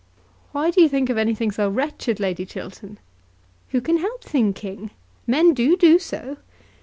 "Why do you think of anything so wretched, Lady Chiltern?" "Who can help thinking? Men do do so.